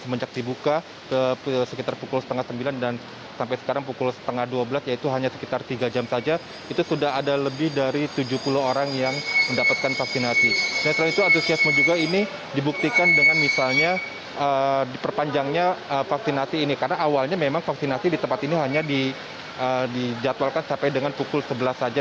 vaksinasi ini diperpanjangnya vaksinasi ini karena awalnya memang vaksinasi di tempat ini hanya dijadwalkan sampai dengan pukul sebelas saja